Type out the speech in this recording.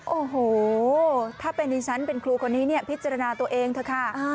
โอ้โหถ้าเป็นดิฉันเป็นครูคนนี้เนี่ยพิจารณาตัวเองเถอะค่ะ